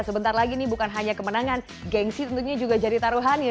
sebentar lagi nih bukan hanya kemenangan gengsi tentunya juga jadi taruhan ya